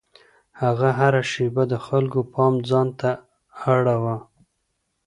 هغه هره شېبه د خلکو پام ځان ته اړاوه.